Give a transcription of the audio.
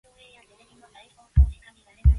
It was first printed in black and white.